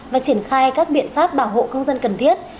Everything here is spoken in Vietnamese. và triển khai các biện pháp bảo hộ công dân cần thiết